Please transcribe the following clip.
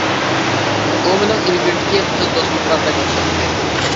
ئۇ مېنىڭ ئىلگىرىكى قىز دوستۇمغا بەك ئوخشايتتى.